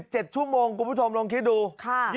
๗ชั่วโมงคุณผู้ชมลองคิดดู